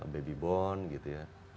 baby born gitu ya